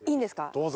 どうぞ。